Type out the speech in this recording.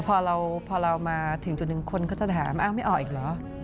พอเรามาถึงจุดหนึ่งคนก็จะถามอ้าวไม่ออกอีกเหรอ